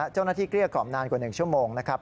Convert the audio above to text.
เจ้าหน้าที่เกลี้ยกกล่อมนานกว่า๑ชั่วโมงนะครับ